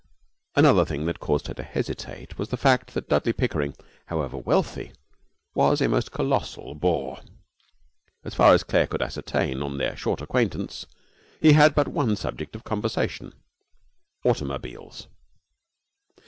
Another thing that caused her to hesitate was the fact that Dudley Pickering, however wealthy, was a most colossal bore. As far as Claire could ascertain on their short acquaintance, he had but one subject of conversation automobiles.